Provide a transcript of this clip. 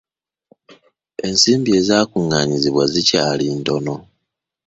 Ensimbi ezaakunganyiziddwa zikyali ntono.